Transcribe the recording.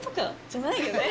じゃないよね